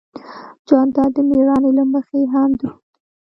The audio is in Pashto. جانداد د مېړانې له مخې هم دروند دی.